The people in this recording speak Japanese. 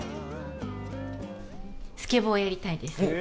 スケボーやりたいです。